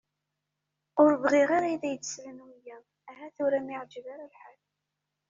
Ue bɣiɣ ara ad iyi-d-slen wiyaḍ ahat ur am-iɛeǧǧeb ara lḥal.